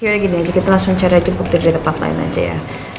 yaudah gini aja kita langsung cari bukti dari tempat lain aja ya